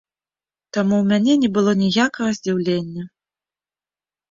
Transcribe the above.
Таму ў мяне не было ніякага здзіўлення.